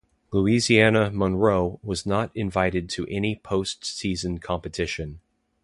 Louisiana–Monroe was not invited to any postseason competition.